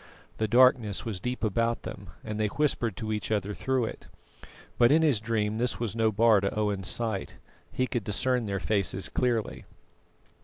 The darkness was deep about them, and they whispered to each other through it; but in his dream this was no bar to Owen's sight. He could discern their faces clearly.